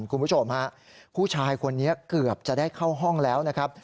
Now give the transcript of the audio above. คุณผู้ชมฮะผู้ชายคนนี้เกือบจะได้เข้าห้องแล้วนะครับ